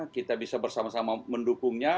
kita bisa bersama sama mendukungnya